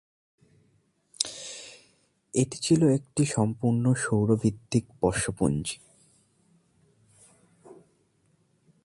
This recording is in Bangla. এটি ছিল একটি সম্পূর্ণ সৌর ভিত্তিক বর্ষপঞ্জী।